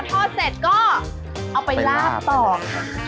ทอดเสร็จก็เอาไปลาบต่อ